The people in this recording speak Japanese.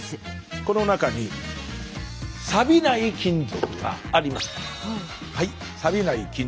この中にサビない金属があります。